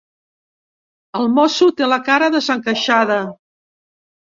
El mosso té la cara desencaixada.